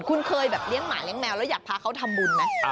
คุณเคยแบบเลี้ยงหมาเลี้ยแมวแล้วอยากพาเขาทำบุญไหม